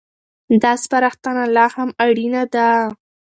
دا سپارښتنه لا هم اړينه ده.